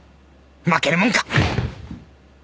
負けるもんか！